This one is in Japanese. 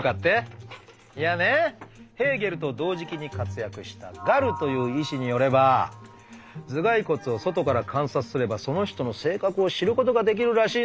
いやねヘーゲルと同時期に活躍したガルという医師によれば頭蓋骨を外から観察すればその人の性格を知ることができるらしいんですよ。